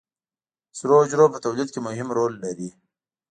سرو حجرو په تولید کې مهم رول لري